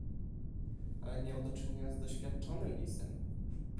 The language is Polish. "Ale miał do czynienia z doświadczonym lisem."